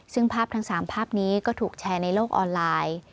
ซึ่งภาพทั้ง๓ภาพนี้ก็ถูกแชร์ในโลกออนไลน์